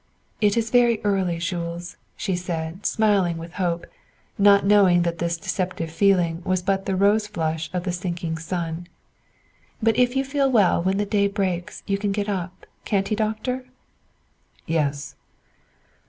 "It is very early, Jules," she said, smiling with hope, not knowing that this deceptive feeling was but the rose flush of the sinking sun; "but if you feel well when day breaks you can get up, can't he Doctor?" "Yes."